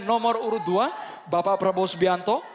nomor urut dua bapak prabowo subianto